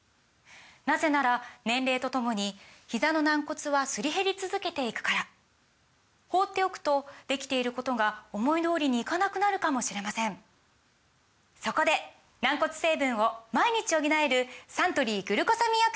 なぜなら年齢とともにひざの軟骨はすり減り続けていくから放っておくとできていることが思い通りにいかなくなるかもしれませんそこで軟骨成分を毎日補えるサントリー「グルコサミンアクティブ」！